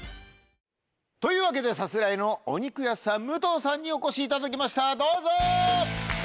というわけでさすらいのお肉屋さん武藤さんにお越しいただきましたどうぞ！